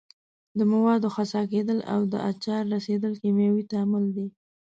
د موادو خسا کیدل او د آچار رسیدل کیمیاوي تعامل دي.